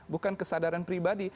bukan kesadaran pribadi